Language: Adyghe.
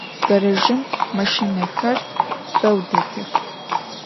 Garajjım maşşinexer beu detıx.